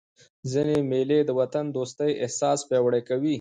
ځيني مېلې د وطن دوستۍ احساس پیاوړی کوي.